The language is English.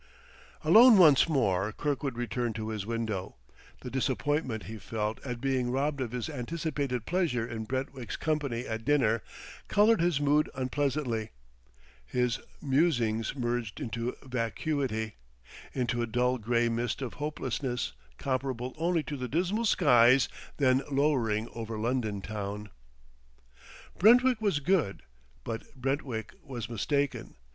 Alone once more, Kirkwood returned to his window. The disappointment he felt at being robbed of his anticipated pleasure in Brentwick's company at dinner, colored his mood unpleasantly. His musings merged into vacuity, into a dull gray mist of hopelessness comparable only to the dismal skies then lowering over London town. Brentwick was good, but Brentwick was mistaken.